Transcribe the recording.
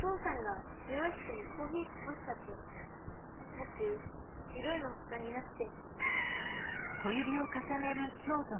ぼく白いのほかになくて。